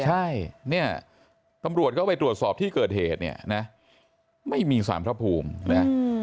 ใช่เนี่ยตำรวจก็ไปตรวจสอบที่เกิดเหตุเนี่ยนะไม่มีสารพระภูมินะ